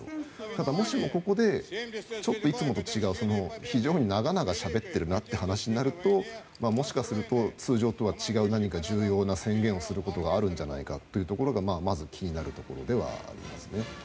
ただ、もしもここでちょっといつもと違う非常に長々しゃべっているなという話になるともしかすると通常とは違う重要な宣言をすることがあるんじゃないかというところがまず気になるところではありますね。